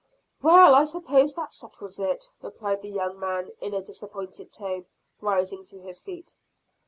"Well I suppose that settles it," replied the young man in a disappointed tone, rising to his feet.